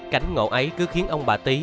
cảnh ngộ ấy cứ khiến ông bà tí